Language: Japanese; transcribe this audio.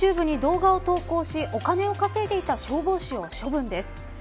ＹｏｕＴｕｂｅに動画を投稿しお金を稼いでいた消防士を処分です。